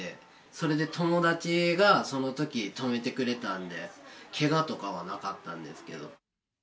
それで友だちがそのとき、止めてくれたんで、けがとかはなかったんですけど。